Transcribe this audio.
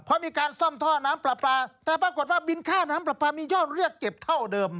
เพราะมีการซ่อมท่อน้ำปลาปลาแต่ปรากฏว่าบินค่าน้ำปลาปลามียอดเรียกเก็บเท่าเดิม